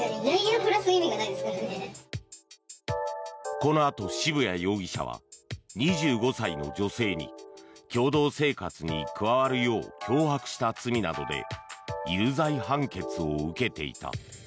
このあと渋谷容疑者は２５歳の女性に共同生活に加わるよう脅迫した罪などで有罪判決を受けていた。